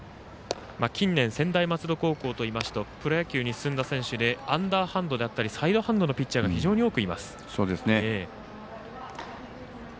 近年、専大松戸高校というとプロ野球に進んだ選手でアンダーハンドだったりサイドハンドのピッチャーが非常に多くいます。